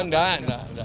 oh enggak enggak